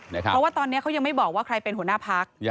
เพราะว่าตอนนี้เขายังไม่บอกว่าใครเป็นหัวหน้าพัก